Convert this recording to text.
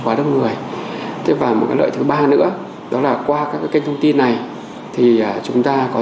quá đông người và một cái lợi thứ ba nữa đó là qua các cái kênh thông tin này thì chúng ta có